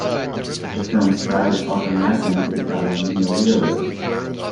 The film's style is often likened to Italian neorealism.